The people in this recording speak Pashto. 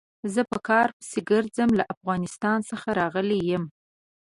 زه په کار پسې ګرځم، له افغانستان څخه راغلی يم.